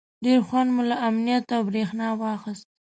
ډېر خوند مو له امنیت او برېښنا واخیست.